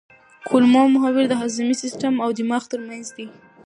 کولمو محور د هاضمي سیستم او دماغ ترمنځ دی.